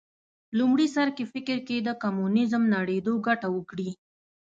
لومړي سر کې فکر کېده کمونیزم نړېدو ګټه وکړي